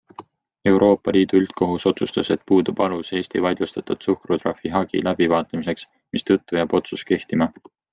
Euroopa Liidu üldkohus otsustas, et puudub alus Eesti vaidlustatud suhkrutrahvi hagi läbivaatamiseks, mistõttu jääb otsus kehtima.